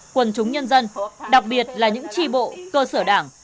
quần chúng nhân dân đặc biệt là những tri bộ cơ sở đảng